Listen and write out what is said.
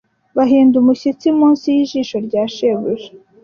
bahinda umushyitsi munsi y'ijisho rya shebuja